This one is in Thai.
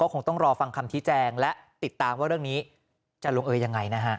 คงต้องรอฟังคำชี้แจงและติดตามว่าเรื่องนี้จะลงเออยังไงนะฮะ